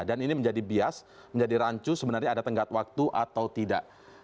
dan ini menjadi bias menjadi rancu sebenarnya ada tenggat waktu atau tidak